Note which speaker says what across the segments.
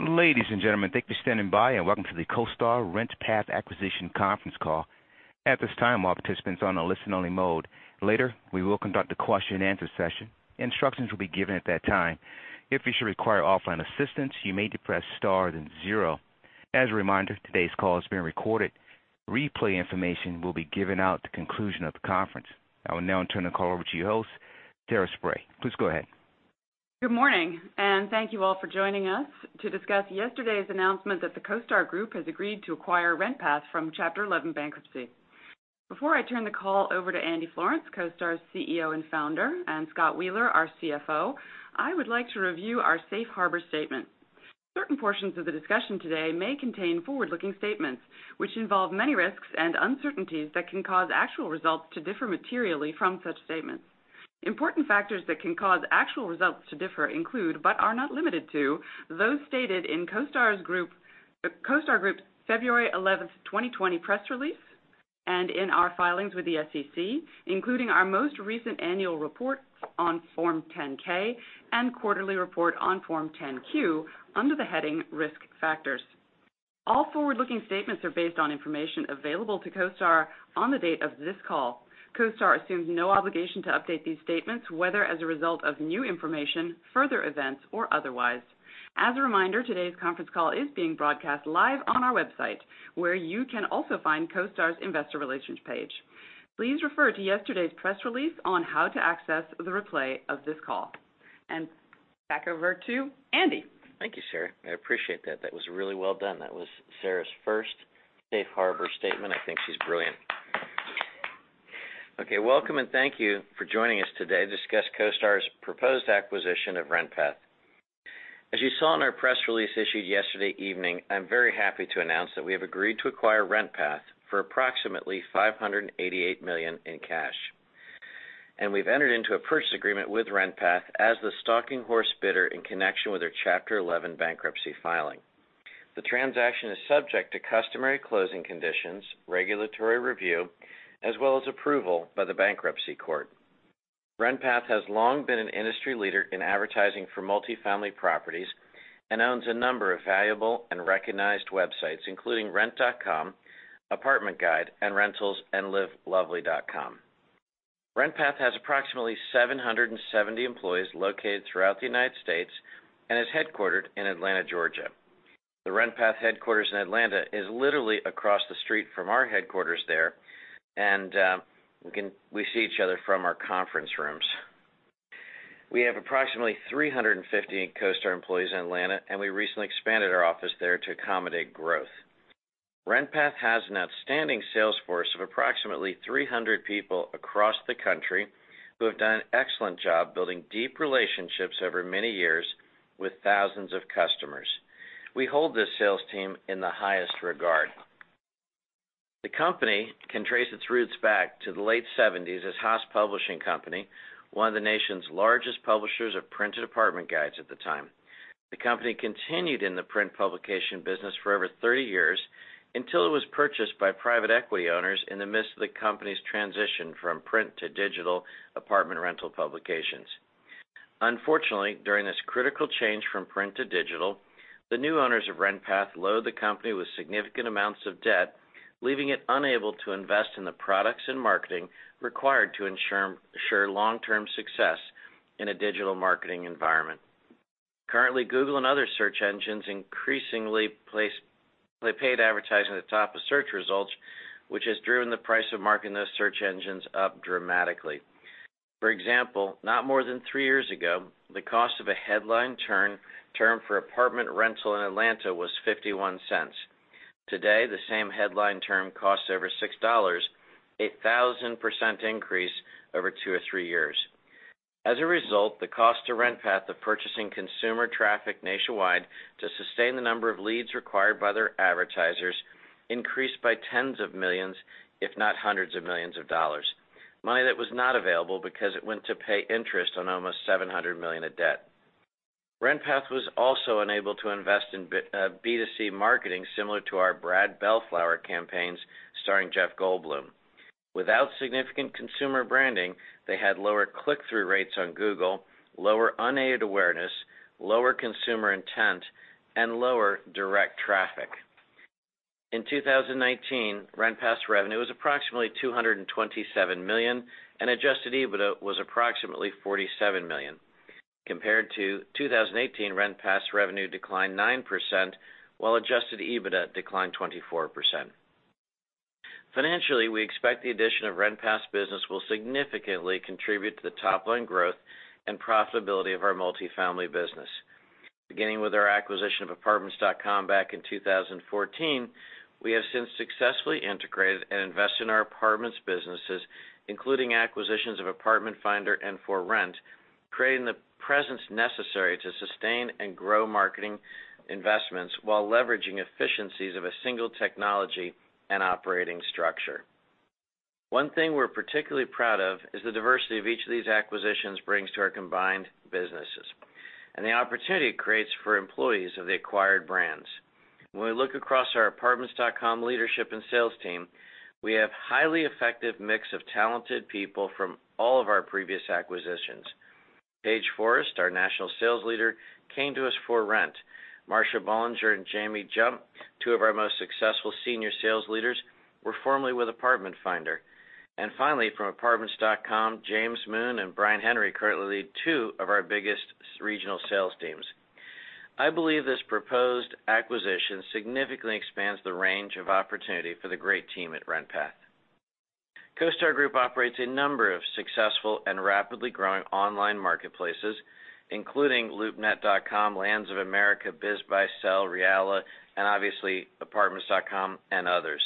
Speaker 1: Ladies and gentlemen, thank you for standing by, and welcome to the CoStar RentPath acquisition conference call. At this time, all participants are on a listen-only mode. Later, we will conduct a question-and-answer session. Instructions will be given at that time. If you should require offline assistance, you may depress star then zero. As a reminder, today's call is being recorded. Replay information will be given out at the conclusion of the conference. I will now turn the call over to your host, Sarah Spray. Please go ahead.
Speaker 2: Good morning. Thank you all for joining us to discuss yesterday's announcement that the CoStar Group has agreed to acquire RentPath from Chapter 11 bankruptcy. Before I turn the call over to Andy Florance, CoStar's CEO and founder, and Scott Wheeler, our CFO, I would like to review our safe harbor statement. Certain portions of the discussion today may contain forward-looking statements, which involve many risks and uncertainties that can cause actual results to differ materially from such statements. Important factors that can cause actual results to differ include, but are not limited to, those stated in CoStar Group's February 11th, 2020 press release and in our filings with the SEC, including our most recent annual report on Form 10-K and quarterly report on Form 10-Q under the heading Risk Factors. All forward-looking statements are based on information available to CoStar on the date of this call. CoStar assumes no obligation to update these statements, whether as a result of new information, further events, or otherwise. As a reminder, today's conference call is being broadcast live on our website, where you can also find CoStar's investor relations page. Please refer to yesterday's press release on how to access the replay of this call. Back over to Andy.
Speaker 3: Thank you, Sara. I appreciate that. That was really well done. That was Sara's first safe harbor statement. I think she's brilliant. Okay, welcome and thank you for joining us today to discuss CoStar's proposed acquisition of RentPath. As you saw in our press release issued yesterday evening, I'm very happy to announce that we have agreed to acquire RentPath for approximately $588 million in cash. We've entered into a purchase agreement with RentPath as the stalking horse bidder in connection with their Chapter 11 bankruptcy filing. The transaction is subject to customary closing conditions, regulatory review, as well as approval by the bankruptcy court. RentPath has long been an industry leader in advertising for multifamily properties and owns a number of valuable and recognized websites, including rent.com, Apartment Guide, and Rentals and livelovely.com. RentPath has approximately 770 employees located throughout the U.S. and is headquartered in Atlanta, Georgia. The RentPath headquarters in Atlanta is literally across the street from our headquarters there, and we see each other from our conference rooms. We have approximately 350 CoStar employees in Atlanta, and we recently expanded our office there to accommodate growth. RentPath has an outstanding sales force of approximately 300 people across the country who have done an excellent job building deep relationships over many years with thousands of customers. We hold this sales team in the highest regard. The company can trace its roots back to the late 1970s as Haas Publishing Company, one of the nation's largest publishers of printed apartment guides at the time. The company continued in the print publication business for over 30 years until it was purchased by private equity owners in the midst of the company's transition from print to digital apartment rental publications. Unfortunately, during this critical change from print to digital, the new owners of RentPath loaded the company with significant amounts of debt, leaving it unable to invest in the products and marketing required to ensure long-term success in a digital marketing environment. Currently, Google and other search engines increasingly place paid advertising at the top of search results, which has driven the price of marketing those search engines up dramatically. For example, not more than three years ago, the cost of a headline term for apartment rental in Atlanta was $0.51. Today, the same headline term costs over $6, a 1,000% increase over two or three years. As a result, the cost to RentPath of purchasing consumer traffic nationwide to sustain the number of leads required by their advertisers increased by tens of millions, if not hundreds of millions of dollars. Money that was not available because it went to pay interest on almost $700 million of debt. RentPath was also unable to invest in B2C marketing similar to our Brad Bellflower campaigns starring Jeff Goldblum. Without significant consumer branding, they had lower click-through rates on Google, lower unaided awareness, lower consumer intent, and lower direct traffic. In 2019, RentPath's revenue was approximately $227 million, and adjusted EBITDA was approximately $47 million. Compared to 2018, RentPath's revenue declined 9%, while adjusted EBITDA declined 24%. Financially, we expect the addition of RentPath's business will significantly contribute to the top-line growth and profitability of our multifamily business. Beginning with our acquisition of Apartments.com back in 2014, we have since successfully integrated and invested in our apartments businesses, including acquisitions of Apartment Finder and ForRent.com, creating the presence necessary to sustain and grow marketing investments while leveraging efficiencies of a single technology and operating structure. One thing we're particularly proud of is the diversity of each of these acquisitions brings to our combined businesses and the opportunity it creates for employees of the acquired brands. When we look across our Apartments.com leadership and sales team, we have a highly effective mix of talented people from all of our previous acquisitions. Paige Forrest, our national sales leader, came to us ForRent.com. Marcia Bollinger and Jaime Jump, two of our most successful senior sales leaders, were formerly with Apartment Finder. Finally, from Apartments.com, James Moon and Brian Henry currently lead two of our biggest regional sales teams. I believe this proposed acquisition significantly expands the range of opportunity for the great team at RentPath. CoStar Group operates a number of successful and rapidly growing online marketplaces, including LoopNet.com, Lands of America, BizBuySell, Realla, and obviously, apartments.com and others.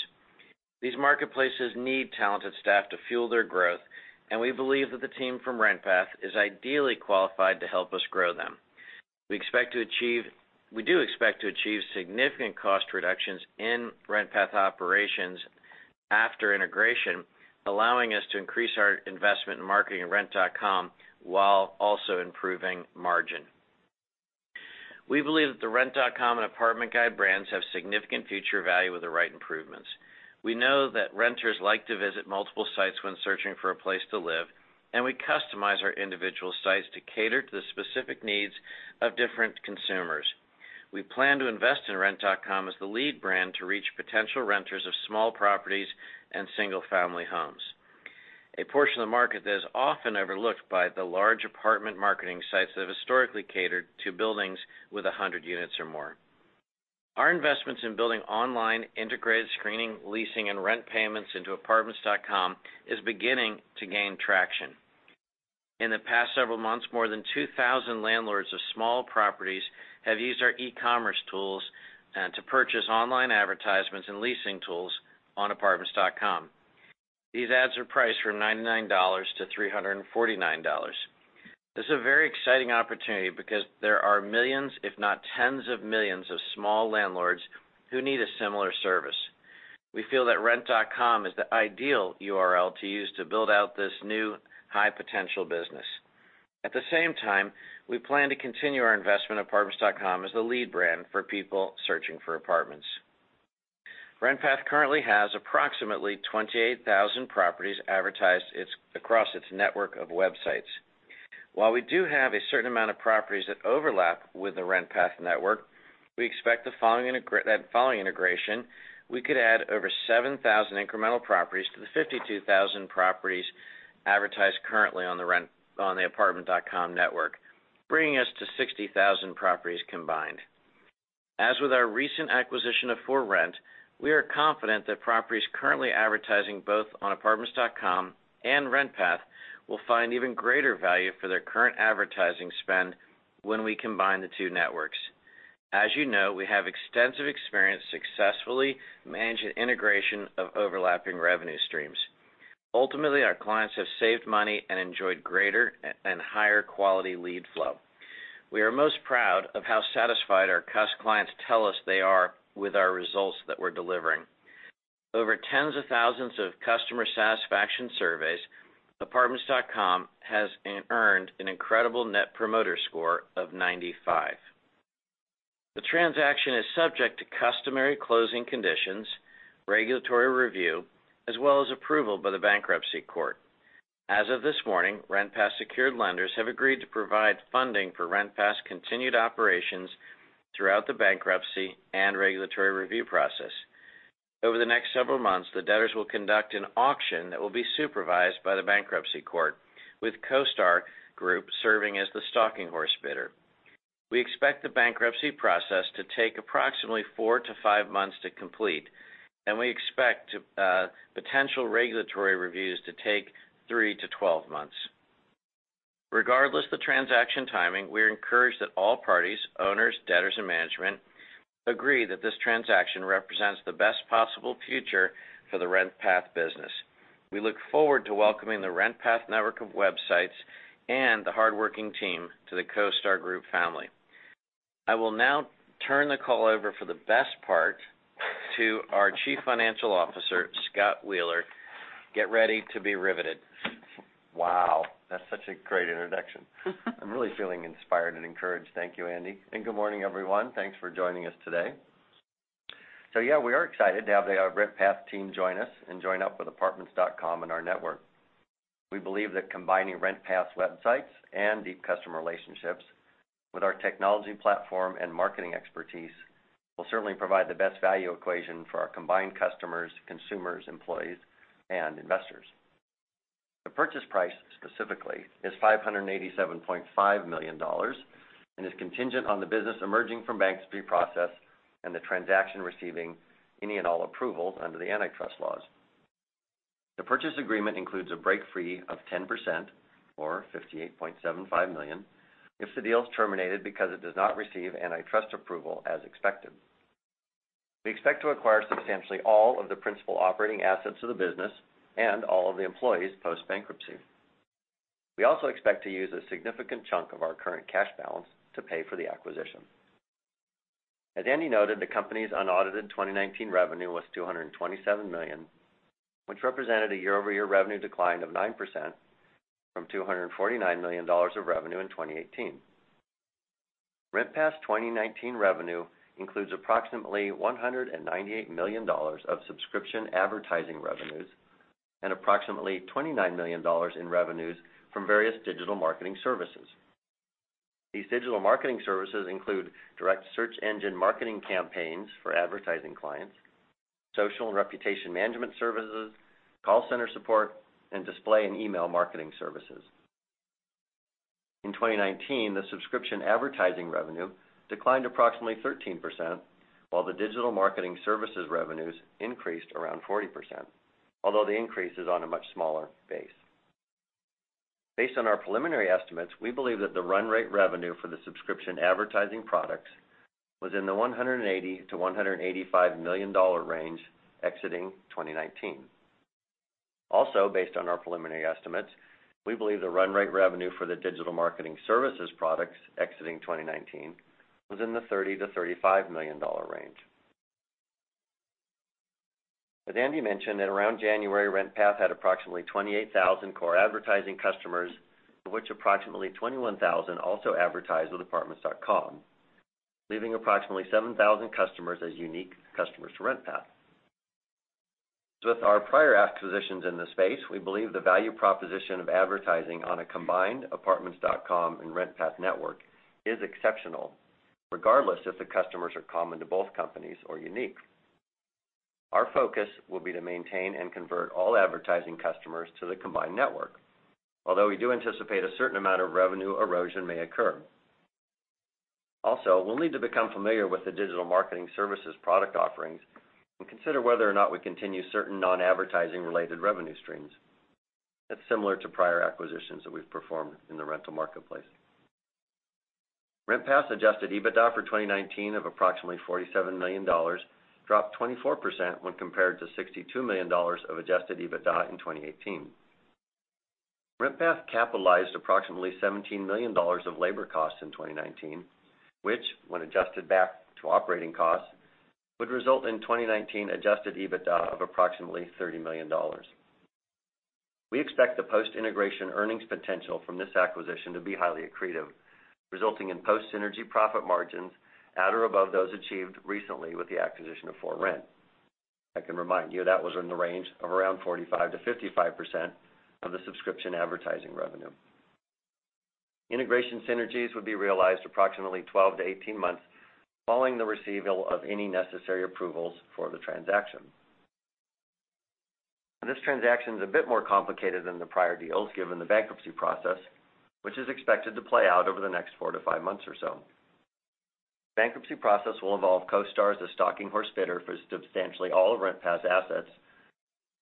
Speaker 3: These marketplaces need talented staff to fuel their growth. We believe that the team from RentPath is ideally qualified to help us grow them. We do expect to achieve significant cost reductions in RentPath operations after integration, allowing us to increase our investment in marketing at rent.com, while also improving margin. We believe that the rent.com and Apartment Guide brands have significant future value with the right improvements. We know that renters like to visit multiple sites when searching for a place to live. We customize our individual sites to cater to the specific needs of different consumers. We plan to invest in rent.com as the lead brand to reach potential renters of small properties and single-family homes, a portion of the market that is often overlooked by the large apartment marketing sites that have historically catered to buildings with 100 units or more. Our investments in building online integrated screening, leasing, and rent payments into apartments.com is beginning to gain traction. In the past several months, more than 2,000 landlords of small properties have used our e-commerce tools to purchase online advertisements and leasing tools on apartments.com. These ads are priced from $99-349. This is a very exciting opportunity because there are millions, if not tens of millions, of small landlords who need a similar service. We feel that rent.com is the ideal URL to use to build out this new high-potential business. At the same time, we plan to continue our investment in Apartments.com as the lead brand for people searching for apartments. RentPath currently has approximately 28,000 properties advertised across its network of websites. While we do have a certain amount of properties that overlap with the RentPath network, we expect that following integration, we could add over 7,000 incremental properties to the 52,000 properties advertised currently on the Apartments.com network, bringing us to 60,000 properties combined. As with our recent acquisition of ForRent, we are confident that properties currently advertising both on Apartments.com and RentPath will find even greater value for their current advertising spend when we combine the two networks. As you know, we have extensive experience successfully managing integration of overlapping revenue streams. Ultimately, our clients have saved money and enjoyed greater and higher quality lead flow. We are most proud of how satisfied our clients tell us they are with our results that we're delivering. Over tens of thousands of customer satisfaction surveys, Apartments.com has earned an incredible Net Promoter Score of 95. The transaction is subject to customary closing conditions, regulatory review, as well as approval by the bankruptcy court. As of this morning, RentPath secured lenders have agreed to provide funding for RentPath's continued operations throughout the bankruptcy and regulatory review process. Over the next several months, the debtors will conduct an auction that will be supervised by the bankruptcy court, with CoStar Group serving as the stalking horse bidder. We expect the bankruptcy process to take approximately four to five months to complete, and we expect potential regulatory reviews to take three to 12 months. Regardless of the transaction timing, we're encouraged that all parties, owners, debtors, and management, agree that this transaction represents the best possible future for the RentPath business. We look forward to welcoming the RentPath network of websites and the hardworking team to the CoStar Group family. I will now turn the call over for the best part to our Chief Financial Officer, Scott Wheeler. Get ready to be riveted.
Speaker 4: Wow, that's such a great introduction. I'm really feeling inspired and encouraged. Thank you, Andy, and good morning, everyone. Thanks for joining us today. We are excited to have the RentPath team join us and join up with apartments.com and our network. We believe that combining RentPath's websites and deep customer relationships with our technology platform and marketing expertise will certainly provide the best value equation for our combined customers, consumers, employees, and investors. The purchase price specifically is $587.5 million and is contingent on the business emerging from bankruptcy process and the transaction receiving any and all approvals under the antitrust laws. The purchase agreement includes a break free of 10%, or $58.75 million, if the deal is terminated because it does not receive antitrust approval as expected. We expect to acquire substantially all of the principal operating assets of the business and all of the employees post-bankruptcy. We also expect to use a significant chunk of our current cash balance to pay for the acquisition. As Andy noted, the company's unaudited 2019 revenue was $227 million which represented a year-over-year revenue decline of 9% from $249 million of revenue in 2018. RentPath 2019 revenue includes approximately $198 million of subscription advertising revenues and approximately $29 million in revenues from various digital marketing services. These digital marketing services include direct search engine marketing campaigns for advertising clients, social and reputation management services, call center support, and display and email marketing services. In 2019, the subscription advertising revenue declined approximately 13%, while the digital marketing services revenues increased around 40%, although the increase is on a much smaller base. Based on our preliminary estimates, we believe that the run rate revenue for the subscription advertising products was in the $180-185 million range exiting 2019. Based on our preliminary estimates, we believe the run rate revenue for the digital marketing services products exiting 2019 was in the $30-35 million range. As Andy mentioned, at around January, RentPath had approximately 28,000 core advertising customers, of which approximately 21,000 also advertise with Apartments.com, leaving approximately 7,000 customers as unique customers to RentPath. With our prior acquisitions in the space, we believe the value proposition of advertising on a combined Apartments.com and RentPath network is exceptional, regardless if the customers are common to both companies or unique. Our focus will be to maintain and convert all advertising customers to the combined network, although we do anticipate a certain amount of revenue erosion may occur. We'll need to become familiar with the digital marketing services product offerings and consider whether or not we continue certain non-advertising related revenue streams. That's similar to prior acquisitions that we've performed in the rental marketplace. RentPath adjusted EBITDA for 2019 of approximately $47 million dropped 24% when compared to $62 million of adjusted EBITDA in 2018. RentPath capitalized approximately $17 million of labor costs in 2019, which, when adjusted back to operating costs, would result in 2019 adjusted EBITDA of approximately $30 million. We expect the post-integration earnings potential from this acquisition to be highly accretive, resulting in post synergy profit margins at or above those achieved recently with the acquisition of ForRent. I can remind you, that was in the range of around 45%-55% of the subscription advertising revenue. Integration synergies would be realized approximately 12-18 months following the receival of any necessary approvals for the transaction. This transaction is a bit more complicated than the prior deals, given the bankruptcy process, which is expected to play out over the next four to five months or so. Bankruptcy process will involve CoStar as a stalking horse bidder for substantially all of RentPath's assets.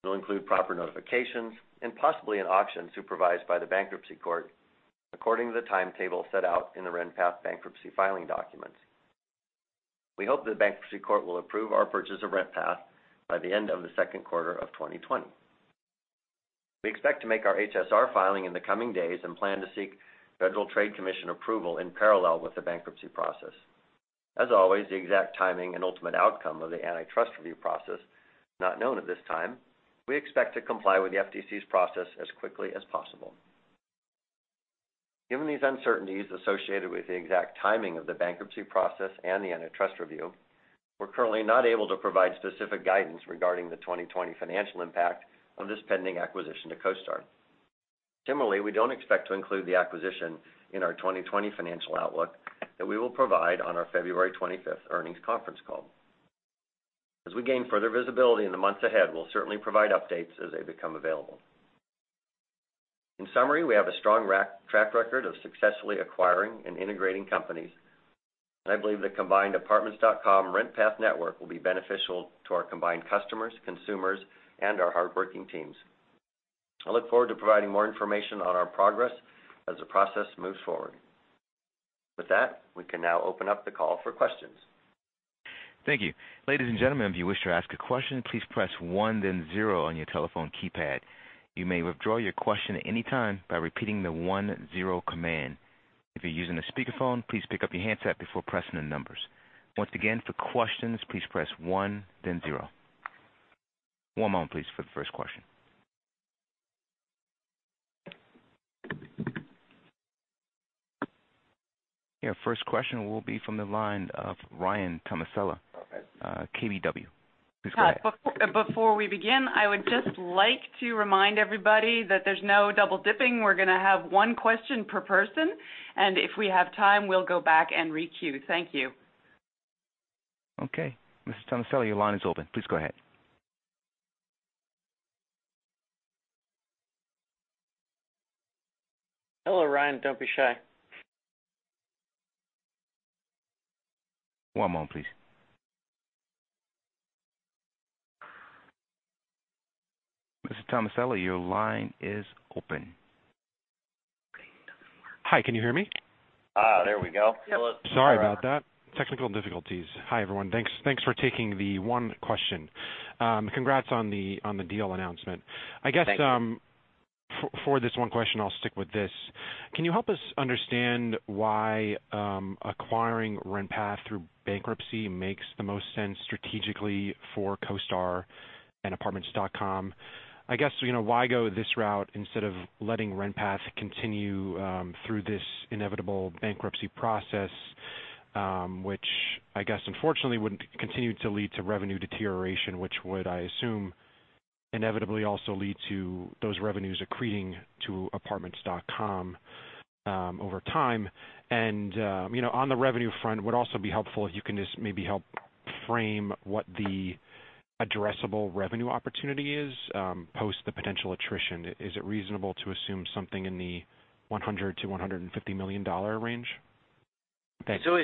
Speaker 4: It'll include proper notifications and possibly an auction supervised by the bankruptcy court, according to the timetable set out in the RentPath bankruptcy filing documents. We hope the bankruptcy court will approve our purchase of RentPath by the end of the second quarter of 2020. We expect to make our HSR filing in the coming days and plan to seek Federal Trade Commission approval in parallel with the bankruptcy process. As always, the exact timing and ultimate outcome of the antitrust review process is not known at this time. We expect to comply with the FTC's process as quickly as possible. Given these uncertainties associated with the exact timing of the bankruptcy process and the antitrust review, we're currently not able to provide specific guidance regarding the 2020 financial impact of this pending acquisition to CoStar. Similarly, we don't expect to include the acquisition in our 2020 financial outlook that we will provide on our February 25th earnings conference call. As we gain further visibility in the months ahead, we'll certainly provide updates as they become available. In summary, we have a strong track record of successfully acquiring and integrating companies, and I believe the combined Apartments.com RentPath network will be beneficial to our combined customers, consumers, and our hardworking teams. I look forward to providing more information on our progress as the process moves forward. With that, we can now open up the call for questions.
Speaker 1: Thank you. Ladies and gentlemen, if you wish to ask a question, please press one, then zero on your telephone keypad. You may withdraw your question at any time by repeating the one, zero command. If you're using a speakerphone, please pick up your handset before pressing the numbers. Once again, for questions, please press one, then zero. One moment, please, for the first question. Your first question will be from the line of Ryan Tomasello, KBW. Please go ahead.
Speaker 2: Hi. Before we begin, I would just like to remind everybody that there's no double-dipping. We're going to have one question per person, and if we have time, we'll go back and re-queue. Thank you.
Speaker 1: Okay. Mr. Tomasello, your line is open. Please go ahead.
Speaker 4: Hello, Ryan. Don't be shy.
Speaker 1: One moment, please. Mr. Tomasello, your line is open.
Speaker 5: Hi, can you hear me?
Speaker 4: There we go.
Speaker 5: Sorry about that. Technical difficulties. Hi, everyone. Thanks for taking the one question. Congrats on the deal announcement.
Speaker 4: Thank you.
Speaker 5: For this one question, I'll stick with this. Can you help us understand why acquiring RentPath through bankruptcy makes the most sense strategically for CoStar and apartments.com? I guess, why go this route instead of letting RentPath continue through this inevitable bankruptcy process, which I guess unfortunately wouldn't continue to lead to revenue deterioration, which would, I assume, inevitably also lead to those revenues accreting to apartments.com over time. On the revenue front, it would also be helpful if you can just maybe help frame what the addressable revenue opportunity is post the potential attrition. Is it reasonable to assume something in the $100-150 million range? Thank you.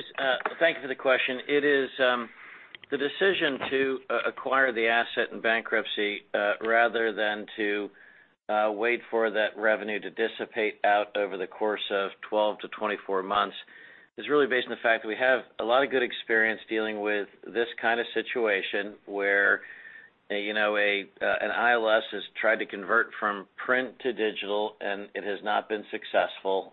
Speaker 3: Thank you for the question. It is the decision to acquire the asset in bankruptcy, rather than to wait for that revenue to dissipate out over the course of 12-24 months, is really based on the fact that we have a lot of good experience dealing with this kind of situation where an ILS has tried to convert from print to digital, and it has not been successful.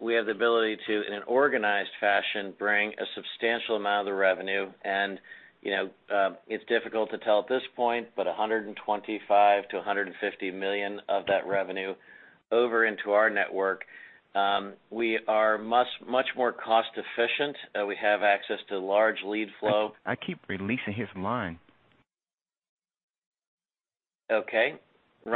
Speaker 3: We have the ability to, in an organized fashion, bring a substantial amount of the revenue, and it's difficult to tell at this point, but $125-150 million of that revenue over into our network. We are much more cost-efficient. We have access to large lead flow.
Speaker 1: I keep releasing his line.
Speaker 3: Okay. We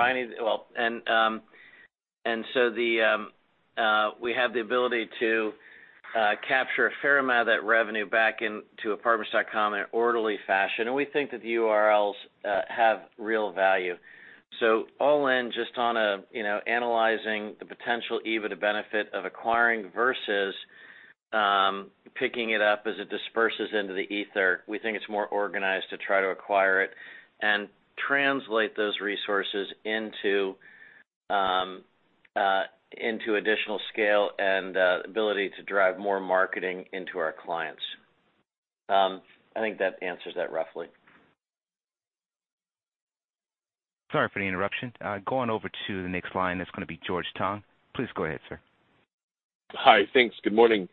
Speaker 3: have the ability to capture a fair amount of that revenue back into Apartments.com in an orderly fashion, and we think that the URLs have real value. All in just on analyzing the potential EBITDA benefit of acquiring versus picking it up as it disperses into the ether. We think it's more organized to try to acquire it and translate those resources into additional scale and ability to drive more marketing into our clients. I think that answers that roughly.
Speaker 1: Sorry for the interruption. Going over to the next line, that's going to be George Tong. Please go ahead, sir.
Speaker 6: Hi. Thanks. Good morning.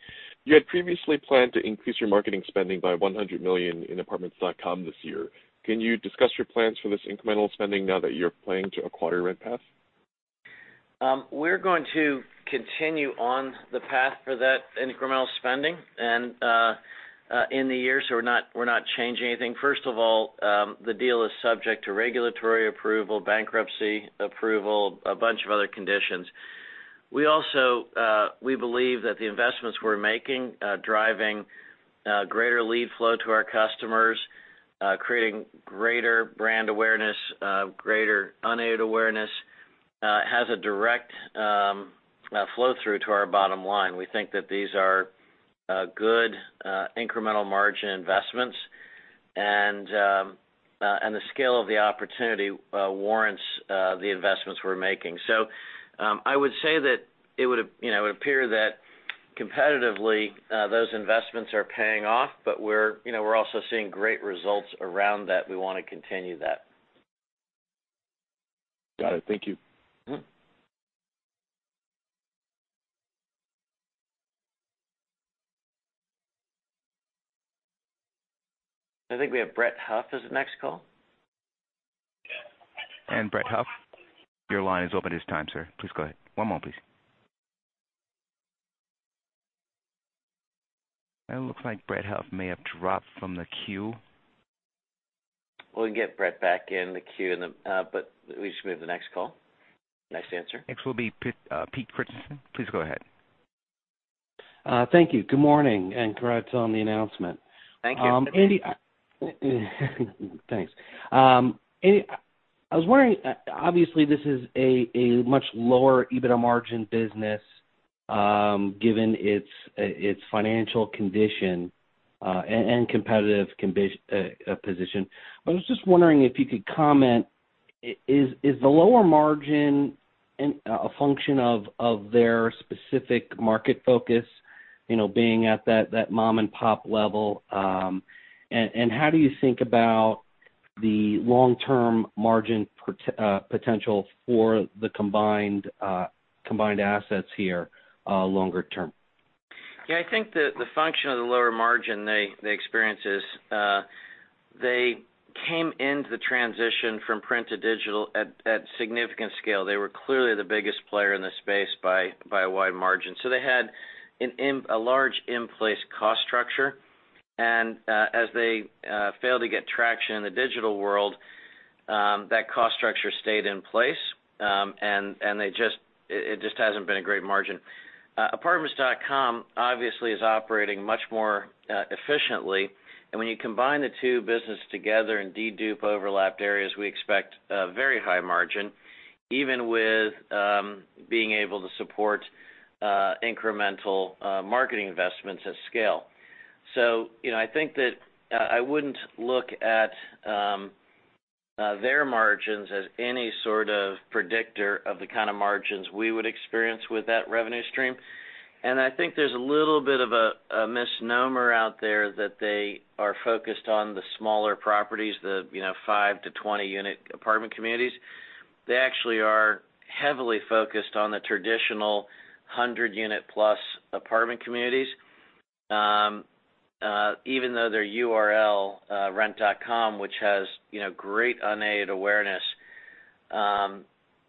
Speaker 6: You had previously planned to increase your marketing spending by $100 million in Apartments.com this year. Can you discuss your plans for this incremental spending now that you're planning to acquire RentPath?
Speaker 3: We're going to continue on the path for that incremental spending, and in the year, so we're not changing anything. First of all, the deal is subject to regulatory approval, bankruptcy approval, a bunch of other conditions. We believe that the investments we're making are driving greater lead flow to our customers, creating greater brand awareness, greater unaided awareness, has a direct flow-through to our bottom line. We think that these are good incremental margin investments, and the scale of the opportunity warrants the investments we're making. I would say that it would appear that competitively, those investments are paying off, but we're also seeing great results around that. We want to continue that.
Speaker 6: Got it. Thank you.
Speaker 3: I think we have Brett Huff as the next call.
Speaker 1: Brett Huff, your line is open this time, sir. Please go ahead. One moment, please. It looks like Brett Huff may have dropped from the queue.
Speaker 3: We can get Brett back in the queue, but we just move to the next call. Next answer.
Speaker 1: Next will be Pete Christiansen. Please go ahead.
Speaker 7: Thank you. Good morning. Congrats on the announcement.
Speaker 3: Thank you.
Speaker 7: Thanks. I was wondering, obviously, this is a much lower EBITDA margin business, given its financial condition, and competitive position. I was just wondering if you could comment, is the lower margin a function of their specific market focus, being at that mom-and-pop level? How do you think about the long-term margin potential for the combined assets here longer term?
Speaker 3: Yeah, I think the function of the lower margin they experienced is. They came into the transition from print to digital at significant scale. They were clearly the biggest player in the space by a wide margin. They had a large in-place cost structure. As they failed to get traction in the digital world, that cost structure stayed in place. It just hasn't been a great margin. Apartments.com obviously is operating much more efficiently. When you combine the two businesses together and de-dupe overlapped areas, we expect a very high margin, even with being able to support incremental marketing investments at scale. I think that I wouldn't look at their margins as any sort of predictor of the kind of margins we would experience with that revenue stream. I think there's a little bit of a misnomer out there that they are focused on the smaller properties, the five to 20 unit apartment communities. They actually are heavily focused on the traditional 100 unit plus apartment communities. Even though their URL, rent.com, which has great unaided awareness,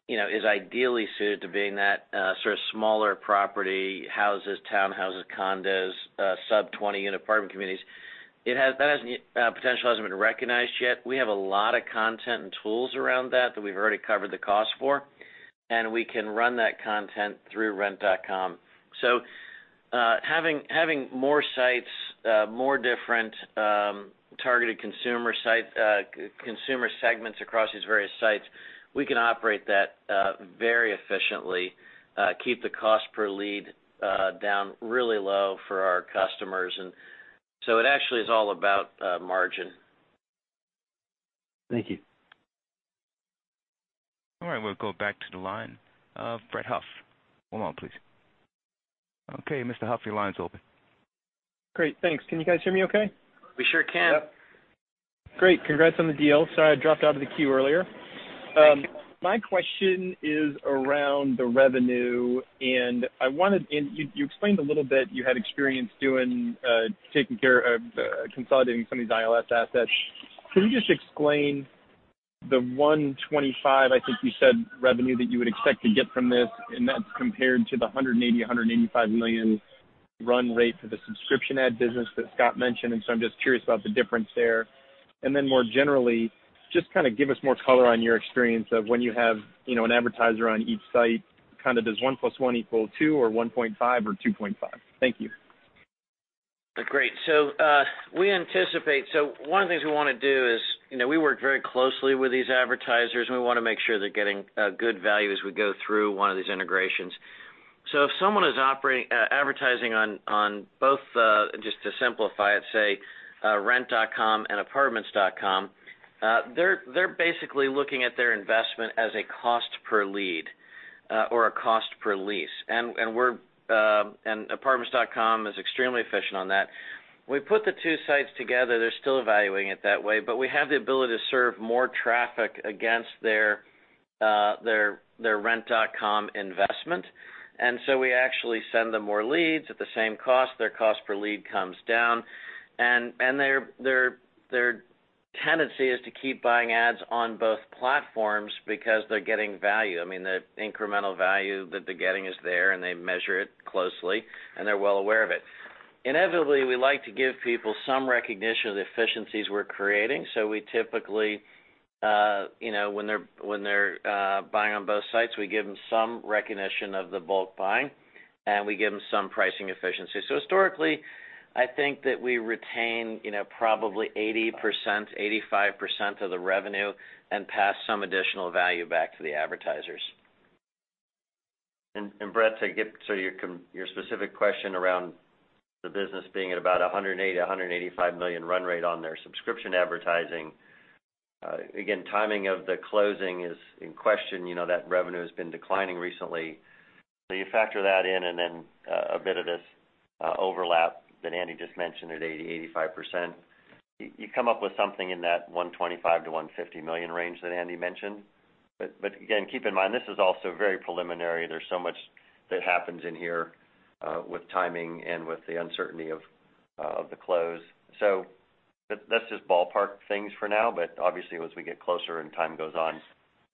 Speaker 3: is ideally suited to being that sort of smaller property, houses, townhouses, condos, sub 20 unit apartment communities. That potential hasn't been recognized yet. We have a lot of content and tools around that we've already covered the cost for, and we can run that content through rent.com. Having more sites, more different targeted consumer segments across these various sites, we can operate that very efficiently, keep the cost per lead down really low for our customers, it actually is all about margin.
Speaker 7: Thank you.
Speaker 1: All right. We'll go back to the line of Brett Huff. One moment, please. Okay, Mr. Huff, your line's open.
Speaker 8: Great. Thanks. Can you guys hear me okay?
Speaker 3: We sure can.
Speaker 4: Yep.
Speaker 8: Great. Congrats on the deal. Sorry, I dropped out of the queue earlier.
Speaker 3: Thank you.
Speaker 8: My question is around the revenue, and you explained a little bit, you had experience consolidating somebody's ILS assets. Can you just explain the $125, I think you said, revenue that you would expect to get from this, and that's compared to the $180-185 million run rate for the subscription ad business that Scott mentioned. I'm just curious about the difference there. More generally, just kind of give us more color on your experience of when you have an advertiser on each site, kind of does one plus one equal two or 1.5 or 2.5? Thank you.
Speaker 3: Great. One of the things we want to do is, we work very closely with these advertisers, and we want to make sure they're getting good value as we go through one of these integrations. If someone is advertising on both, just to simplify it, say rent.com and apartments.com, they're basically looking at their investment as a cost per lead, or a cost per lease. Apartments.com is extremely efficient on that. We put the two sites together, they're still evaluating it that way, but we have the ability to serve more traffic against their rent.com investment. We actually send them more leads at the same cost. Their cost per lead comes down, and their tendency is to keep buying ads on both platforms because they're getting value. I mean, the incremental value that they're getting is there, and they measure it closely, and they're well aware of it. Inevitably, we like to give people some recognition of the efficiencies we're creating. We typically, when they're buying on both sites, we give them some recognition of the bulk buying, and we give them some pricing efficiency. Historically, I think that we retain probably 80%, 85% of the revenue and pass some additional value back to the advertisers.
Speaker 4: Brett, to get to your specific question around the business being at about $180-185 million run rate on their subscription advertising. Timing of the closing is in question. That revenue has been declining recently. You factor that in and then a bit of this overlap that Andy just mentioned at 80%-85%, you come up with something in that $125-150 million range that Andy mentioned. Again, keep in mind, this is also very preliminary. There's so much that happens in here, with timing and with the uncertainty of the close. Let's just ballpark things for now, but obviously, as we get closer and time goes on,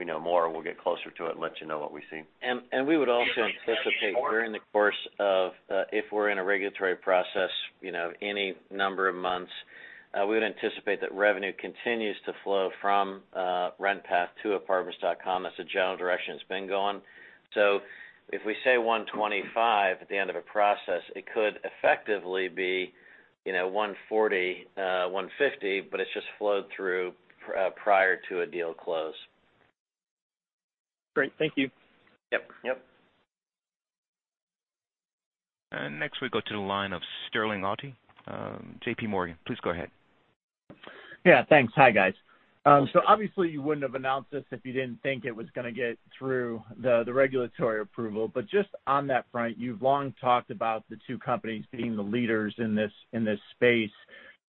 Speaker 4: we know more, we'll get closer to it and let you know what we see.
Speaker 3: We would also anticipate during the course of, if we're in a regulatory process, any number of months, we would anticipate that revenue continues to flow from RentPath to apartments.com. That's the general direction it's been going. So if we say $125 at the end of a process, it could effectively be $140, $150, but it's just flowed through prior to a deal close.
Speaker 8: Great. Thank you.
Speaker 3: Yep.
Speaker 1: Yep. Next we go to the line of Sterling Auty. JPMorgan, please go ahead.
Speaker 9: Yeah, thanks. Hi, guys. Obviously you wouldn't have announced this if you didn't think it was going to get through the regulatory approval. Just on that front, you've long talked about the two companies being the leaders in this space.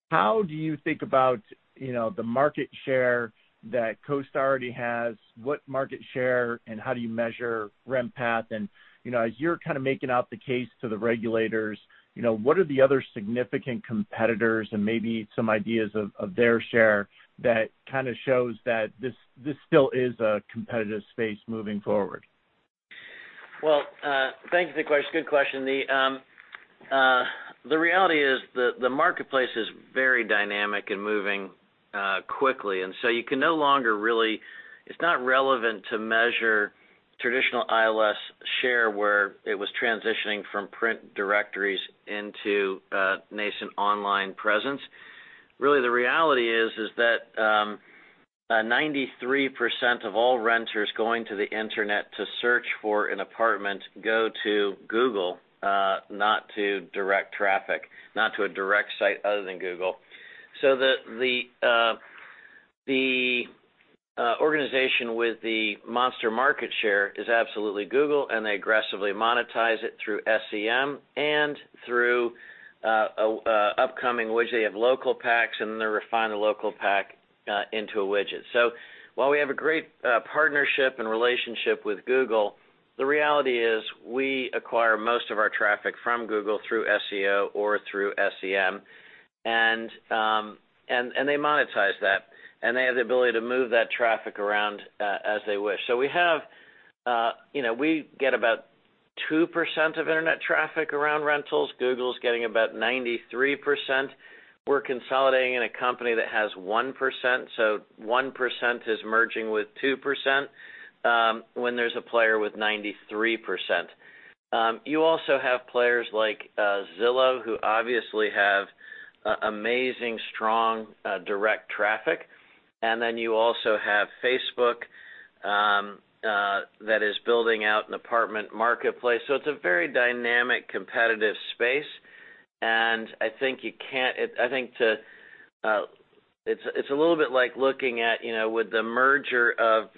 Speaker 9: How do you think about the market share that CoStar already has? What market share and how do you measure RentPath? As you're kind of making out the case to the regulators, what are the other significant competitors and maybe some ideas of their share that kind of shows that this still is a competitive space moving forward?
Speaker 3: Well, thanks for the question. Good question. The reality is the marketplace is very dynamic and moving quickly, and so you can no longer It's not relevant to measure traditional ILS share where it was transitioning from print directories into nascent online presence. The reality is that 93% of all renters going to the internet to search for an apartment go to Google, not to direct traffic, not to a direct site other than Google. The organization with the monster market share is absolutely Google, and they aggressively monetize it through SEM and through upcoming widgets. They have local packs, and then they refine the local pack into a widget. While we have a great partnership and relationship with Google, the reality is we acquire most of our traffic from Google through SEO or through SEM, and they monetize that, and they have the ability to move that traffic around as they wish. We get about 2% of internet traffic around rentals. Google's getting about 93%. We're consolidating in a company that has 1%, so 1% is merging with 2%, when there's a player with 93%. You also have players like Zillow, who obviously have amazing, strong, direct traffic. You also have Facebook, that is building out an apartment marketplace. It's a very dynamic, competitive space. I think it's a little bit like looking at would the merger of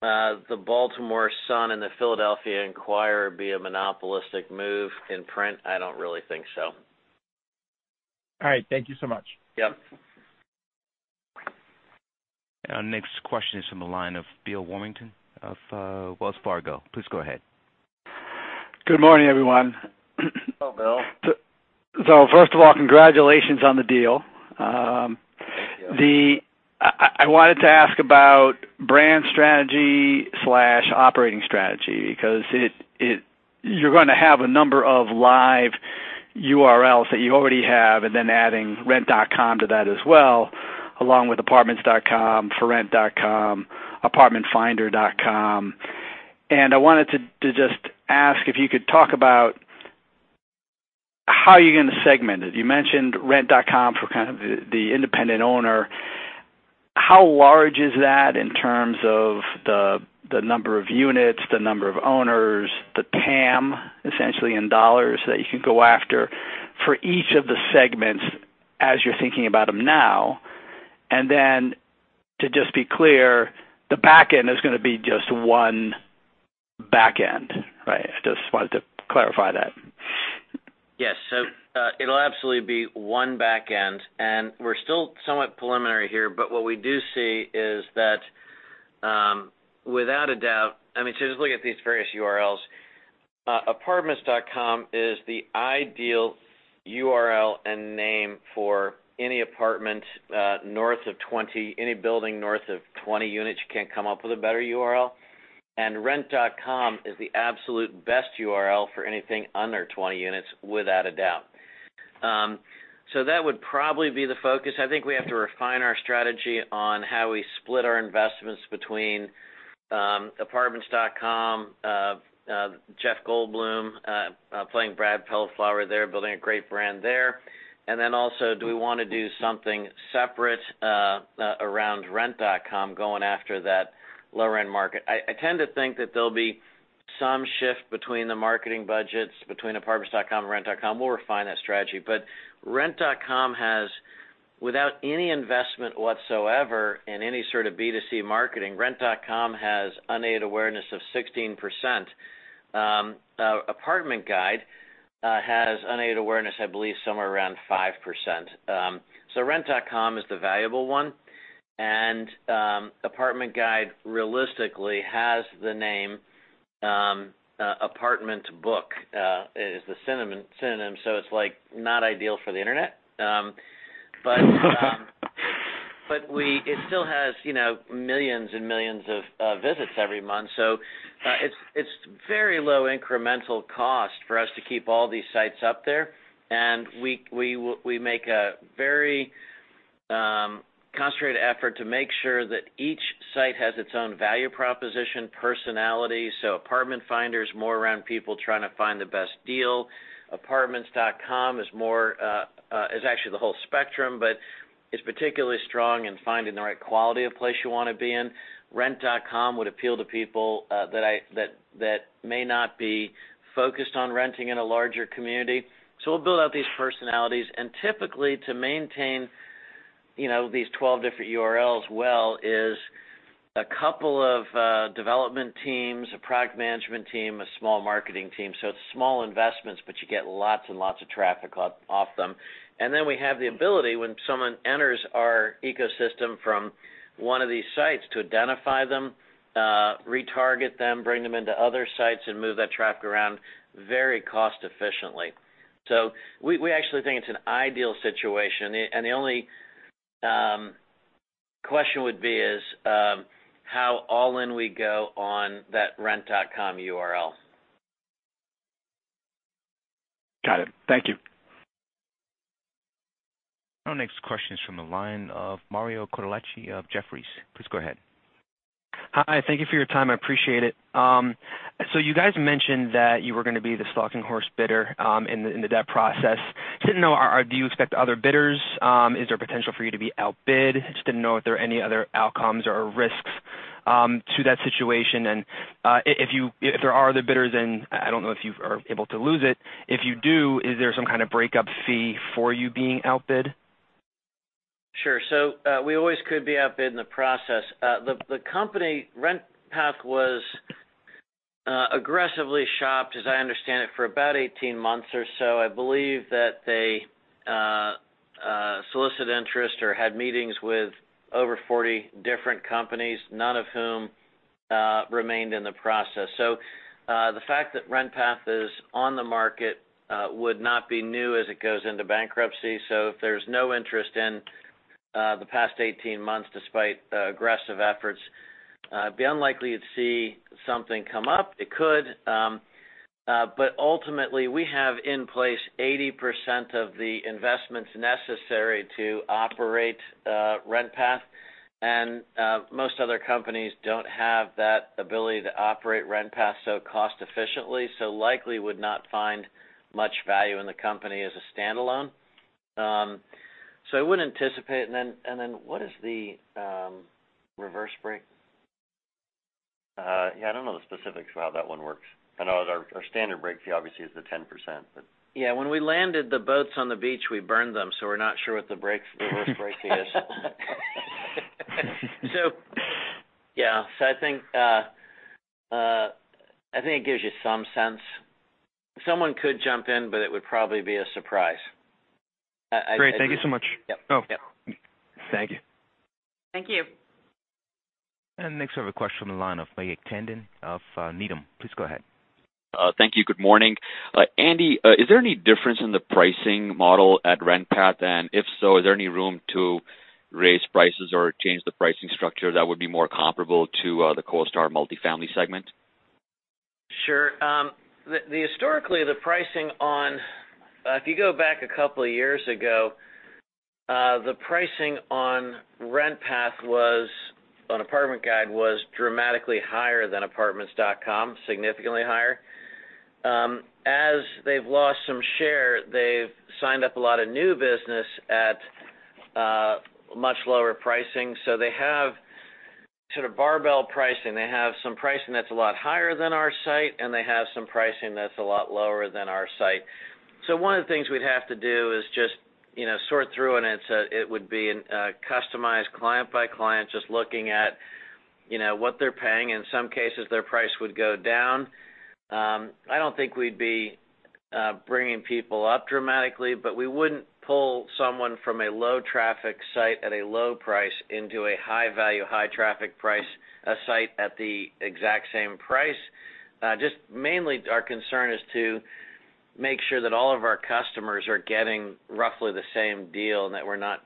Speaker 3: The Baltimore Sun and The Philadelphia Inquirer be a monopolistic move in print? I don't really think so.
Speaker 9: All right. Thank you so much.
Speaker 1: Our next question is from the line of Bill Warmington of Wells Fargo. Please go ahead.
Speaker 10: Good morning, everyone.
Speaker 3: Hello, Bill.
Speaker 10: First of all, congratulations on the deal.
Speaker 3: Thank you.
Speaker 10: I wanted to ask about brand strategy/operating strategy, because you're going to have a number of live URLs that you already have, and then adding rent.com to that as well, along with apartments.com, forrent.com, apartmentfinder.com. I wanted to just ask if you could talk about how you're going to segment it. You mentioned rent.com for kind of the independent owner. How large is that in terms of the number of units, the number of owners, the TAM, essentially in dollars that you can go after for each of the segments as you're thinking about them now? Then to just be clear, the back end is going to be just one back end, right? I just wanted to clarify that.
Speaker 3: Yes. It'll absolutely be one back end, and we're still somewhat preliminary here, but what we do see is that without a doubt I mean, just look at these various URLs. apartments.com is the ideal URL and name for any apartment north of 20. Any building north of 20 units, you can't come up with a better URL. rent.com is the absolute best URL for anything under 20 units, without a doubt. That would probably be the focus. I think we have to refine our strategy on how we split our investments between apartments.com, Jeff Goldblum, playing Brad Bellflower there, building a great brand there. Then also, do we want to do something separate around rent.com, going after that lower-end market? I tend to think that there'll be some shift between the marketing budgets between apartments.com and rent.com. We'll refine that strategy. rent.com has, without any investment whatsoever in any sort of B2C marketing, rent.com has unaided awareness of 16%. Apartment Guide has unaided awareness, I believe, somewhere around 5%. rent.com is the valuable one, and Apartment Guide realistically has the name Apartment Book, is the synonym, so it's not ideal for the internet. It still has millions and millions of visits every month. It's very low incremental cost for us to keep all these sites up there. We make a very concentrated effort to make sure that each site has its own value proposition, personality. Apartment Finder is more around people trying to find the best deal. apartments.com is actually the whole spectrum, but is particularly strong in finding the right quality of place you want to be in. rent.com would appeal to people that may not be focused on renting in a larger community. We'll build out these personalities, and typically to maintain these 12 different URLs well is a couple of development teams, a product management team, a small marketing team. We have the ability, when someone enters our ecosystem from one of these sites, to identify them, retarget them, bring them into other sites, and move that traffic around very cost efficiently. We actually think it's an ideal situation, and the only question would be is, how all-in we go on that rent.com URL.
Speaker 10: Got it. Thank you.
Speaker 1: Our next question is from the line of Mario Quattrocchi of Jefferies. Please go ahead.
Speaker 11: Hi. Thank you for your time. I appreciate it. You guys mentioned that you were going to be the stalking horse bidder in the debt process. Do you expect other bidders? Is there potential for you to be outbid? I just didn't know if there are any other outcomes or risks to that situation? If there are other bidders, and I don't know if you are able to lose it, if you do, is there some kind of breakup fee for you being outbid?
Speaker 3: Sure. We always could be outbid in the process. The company RentPath was aggressively shopped, as I understand it, for about 18 months or so. I believe that they solicited interest or had meetings with over 40 different companies, none of whom remained in the process. The fact that RentPath is on the market would not be new as it goes into bankruptcy. If there's no interest in the past 18 months despite aggressive efforts, it'd be unlikely you'd see something come up. It could, but ultimately we have in place 80% of the investments necessary to operate RentPath, and most other companies don't have that ability to operate RentPath so cost efficiently, so likely would not find much value in the company as a standalone. I wouldn't anticipate. What is the reverse break?
Speaker 4: Yeah, I don't know the specifics of how that one works. I know our standard break fee obviously is the 10%.
Speaker 3: Yeah, when we landed the boats on the beach, we burned them, so we're not sure what the reverse break fee is. Yeah. I think it gives you some sense. Someone could jump in, but it would probably be a surprise.
Speaker 11: Great. Thank you so much. Yep. Thank you.
Speaker 3: Thank you.
Speaker 1: Next, we have a question on the line of Mayank Tandon of Needham. Please go ahead.
Speaker 12: Thank you. Good morning. Andy, is there any difference in the pricing model at RentPath? If so, is there any room to raise prices or change the pricing structure that would be more comparable to the CoStar multifamily segment?
Speaker 3: Sure. Historically, if you go back a couple of years ago, the pricing on Apartment Guide was dramatically higher than apartments.com, significantly higher. They've lost some share, they've signed up a lot of new business at much lower pricing. They have sort of barbell pricing. They have some pricing that's a lot higher than our site, and they have some pricing that's a lot lower than our site. One of the things we'd have to do is just sort through, and it would be customized client by client, just looking at what they're paying. In some cases, their price would go down. I don't think we'd be bringing people up dramatically, but we wouldn't pull someone from a low-traffic site at a low price into a high-value, high-traffic site at the exact same price. Just mainly our concern is to make sure that all of our customers are getting roughly the same deal, and that we're not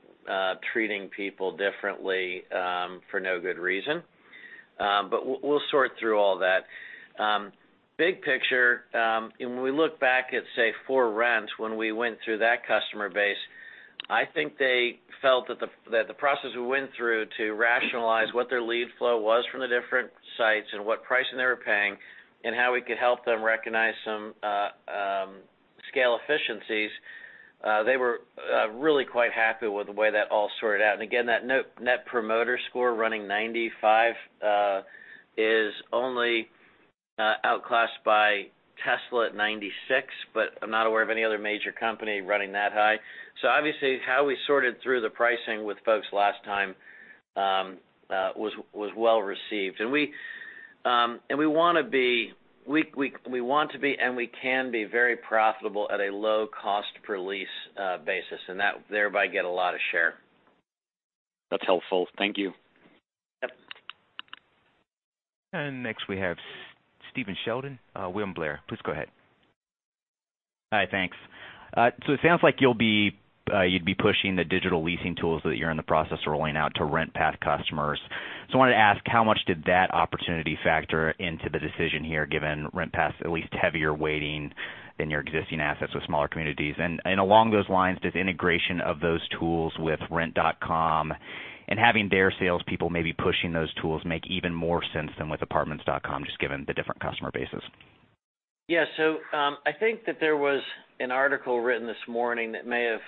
Speaker 3: treating people differently for no good reason. We'll sort through all that. Big picture, and when we look back at, say, ForRent, when we went through that customer base, I think they felt that the process we went through to rationalize what their lead flow was from the different sites and what pricing they were paying, and how we could help them recognize some scale efficiencies, they were really quite happy with the way that all sorted out. Again, that Net Promoter Score running 95 is only outclassed by Tesla at 96, but I'm not aware of any other major company running that high. Obviously, how we sorted through the pricing with folks last time was well received. We can be very profitable at a low cost per lease basis, and thereby get a lot of share.
Speaker 12: That's helpful. Thank you.
Speaker 3: Yep.
Speaker 1: Next we have Stephen Sheldon, William Blair. Please go ahead.
Speaker 13: Hi, thanks. It sounds like you'd be pushing the digital leasing tools that you're in the process of rolling out to RentPath customers. I wanted to ask, how much did that opportunity factor into the decision here, given RentPath's at least heavier weighting than your existing assets with smaller communities? Along those lines, does integration of those tools with rent.com and having their salespeople maybe pushing those tools make even more sense than with apartments.com, just given the different customer bases?
Speaker 3: Yeah. I think that there was an article written this morning that may have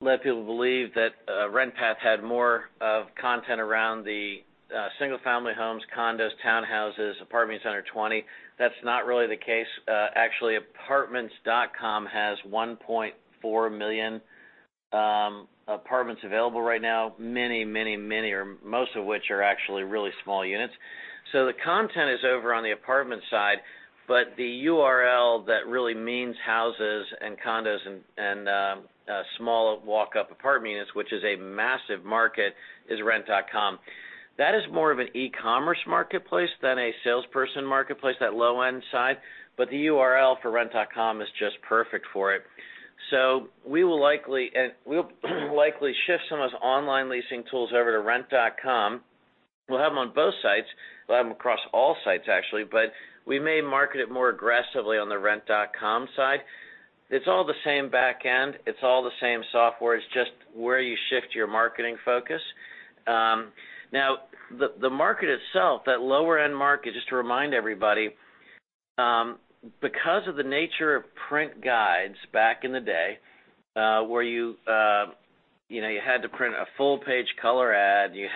Speaker 3: led people to believe that RentPath had more of content around the single-family homes, condos, townhouses, apartment under 20. That's not really the case. Actually, apartments.com has 1.4 million apartments available right now. Many, or most of which are actually really small units. The content is over on the apartment side, but the URL that really means houses and condos and smaller walk-up apartment units, which is a massive market, is rent.com. That is more of an e-commerce marketplace than a salesperson marketplace, that low-end side, but the URL for rent.com is just perfect for it. We'll likely shift some of those online leasing tools over to rent.com. We'll have them on both sites. We'll have them across all sites, actually, but we may market it more aggressively on the rent.com side. It's all the same back end. It's all the same software. It's just where you shift your marketing focus. The market itself, that lower-end market, just to remind everybody. Because of the nature of print guides back in the day, where you had to print a full-page color ad, it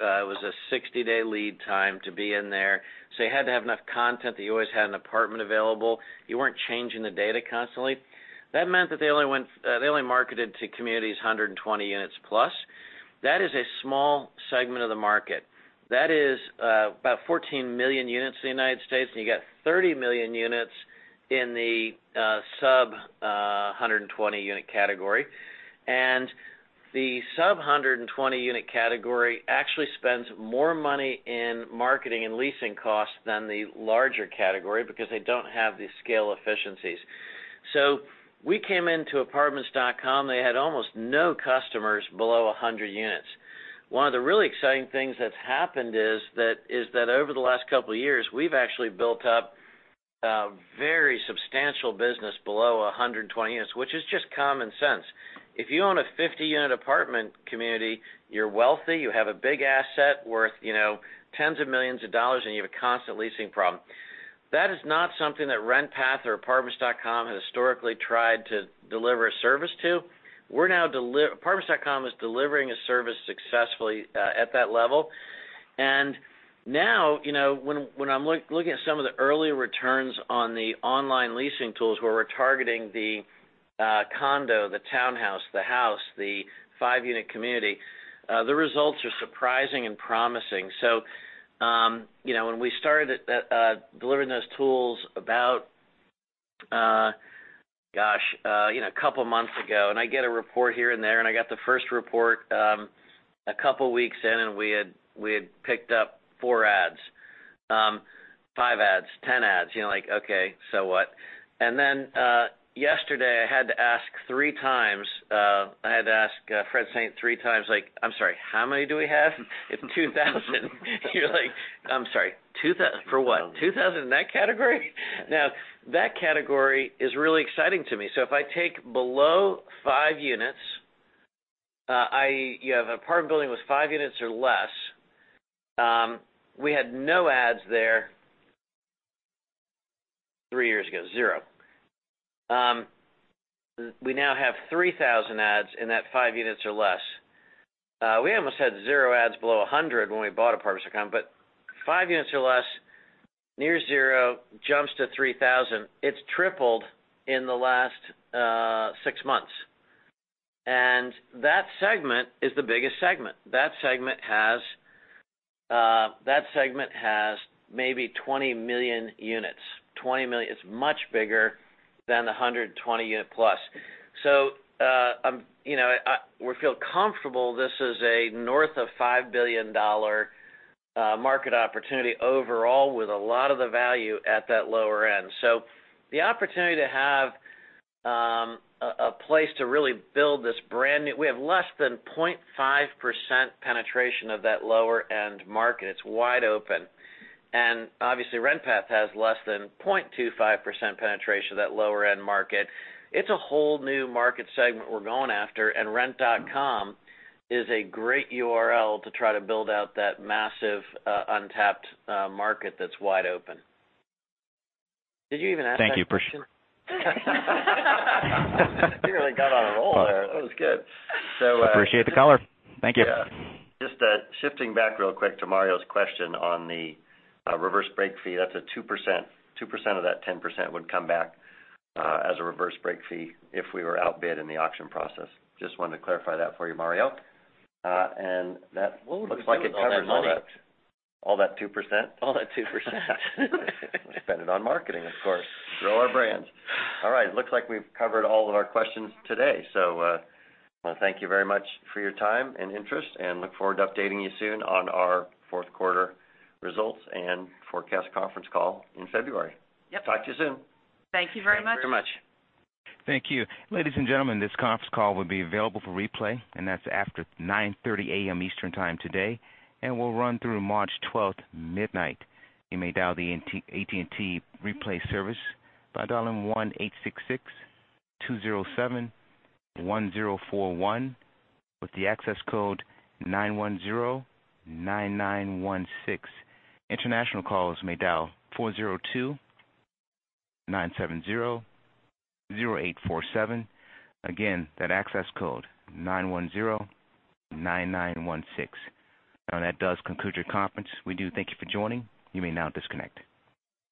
Speaker 3: was a 60-day lead time to be in there. You had to have enough content that you always had an apartment available. You weren't changing the data constantly. That meant that they only marketed to communities 120 units plus. That is a small segment of the market. That is about 14 million units in the U.S., and you got 30 million units in the sub-120-unit category. The sub-120-unit category actually spends more money in marketing and leasing costs than the larger category because they don't have the scale efficiencies. We came into Apartments.com, they had almost no customers below 100 units. One of the really exciting things that's happened is that over the last couple of years, we've actually built up a very substantial business below 120 units, which is just common sense. If you own a 50-unit apartment community, you're wealthy, you have a big asset worth tens of millions of dollars, and you have a constant leasing problem. That is not something that RentPath or Apartments.com has historically tried to deliver a service to. Apartments.com is delivering a service successfully at that level. Now, when I'm looking at some of the early returns on the online leasing tools where we're targeting the condo, the townhouse, the house, the five-unit community, the results are surprising and promising. When we started delivering those tools about, gosh, a couple of months ago, and I get a report here and there, and I got the first report a couple of weeks in, and we had picked up four ads, five ads, 10 ads. You're like, "Okay, so what." Then, yesterday, I had to ask Fred Saint three times, "I'm sorry, how many do we have?" It's 2,000. You're like, "I'm sorry, 2,000 for what? 2,000 in that category?" Now, that category is really exciting to me. If I take below five units, you have an apartment building with five units or less, we had no ads there three years ago, zero. We now have 3,000 ads in that five units or less. We almost had zero ads below 100 when we bought Apartments.com, but five units or less, near zero, jumps to 3,000. It's tripled in the last six months. That segment is the biggest segment. That segment has maybe 20 million units. It's much bigger than the 120 unit plus. We feel comfortable this is a north of $5 billion market opportunity overall with a lot of the value at that lower end. We have less than 0.5% penetration of that lower-end market. It's wide open. Obviously RentPath has less than 0.25% penetration of that lower-end market. It's a whole new market segment we're going after, and rent.com is a great URL to try to build out that massive, untapped market that's wide open. Did you even ask that question?
Speaker 13: Thank you, Prash.
Speaker 3: We really got on a roll there. That was good.
Speaker 13: Appreciate the color. Thank you.
Speaker 3: Yeah.
Speaker 4: Just shifting back real quick to Mario's question on the reverse break fee, that's a 2%. 2% of that 10% would come back as a reverse break fee if we were outbid in the auction process. Just wanted to clarify that for you, Mario. That looks like it covers all that.
Speaker 3: What would we do with all that money?
Speaker 4: All that 2%?
Speaker 3: All that 2%.
Speaker 4: Spend it on marketing, of course. Grow our brands. All right. Looks like we've covered all of our questions today. I want to thank you very much for your time and interest, and look forward to updating you soon on our fourth quarter results and forecast conference call in February.
Speaker 3: Yep.
Speaker 4: Talk to you soon.
Speaker 2: Thank you very much.
Speaker 3: Thank you very much.
Speaker 1: Thank you. Ladies and gentlemen, this conference call will be available for replay, and that's after 9:30 A.M. Eastern Time today, and will run through March 12, midnight. You may dial the AT&T replay service by dialing 1-866-207-1041 with the access code 9109916. International calls may dial 402-970-0847. Again, that access code, 9109916. That does conclude your conference. We do thank you for joining. You may now disconnect.